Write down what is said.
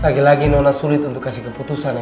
lagi lagi nona sulit untuk kasih keputusan